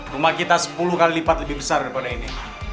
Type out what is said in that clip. rumah kita sepuluh kali lipat lebih besar daripada ini